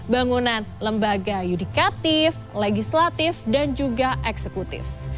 bangunan lembaga yudikatif legislatif dan juga eksekutif